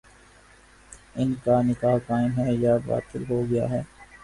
ان کا نکاح قائم ہے یا باطل ہو گیا ہے؟